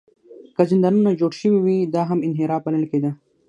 که زندانونه جوړ شوي وي، دا هم انحراف بلل کېده.